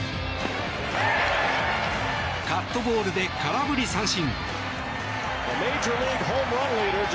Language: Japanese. カットボールで空振り三振。